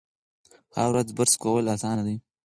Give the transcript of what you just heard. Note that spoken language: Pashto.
هره ورځ برس کول اسانه دي.